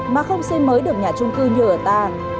mà không xây mới được nhà trung cư như ở tà